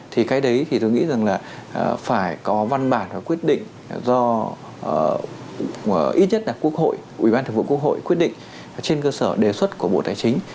thì cái đấy thì tôi nghĩ rằng là phải có văn bản và quyết định do ít nhất là quốc hội ủy ban thượng vụ quốc hội quyết định trên cơ sở đề xuất của bộ tài chính